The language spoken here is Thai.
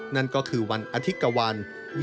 นั่นก็คือวันอธิกวัล